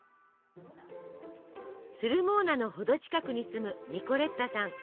スルモーナの程近くに住むニコレッタさん。